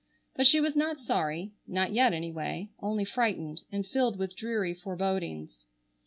But she was not sorry,—not yet, anyway,—only frightened, and filled with dreary forebodings.